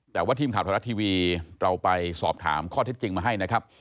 แต่ว่าทีมข่าวไทยรัฐทีวีเราไปสอบถามข้อเท็จจริงมาให้นะครับ